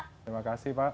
terima kasih pak